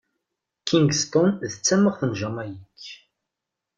Kingston d tamaxt n Jamayik.